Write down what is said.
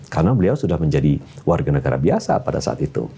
karena beliau sudah menjadi warga negara biasa pada saat itu